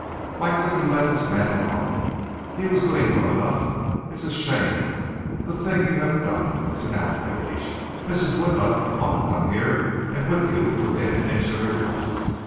Why couldn't you let this man alone? He was doing well enough. It's a shame, the thing you have done. It's an outrage. Mrs. Witla ought to come here and whip you within an inch of your life."